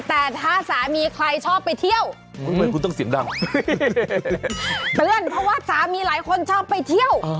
แต่ถ้าสามีใครชอบไปเที่ยว